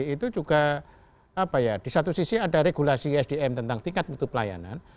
itu juga di satu sisi ada regulasi isdm tentang tingkat mutu pelayanan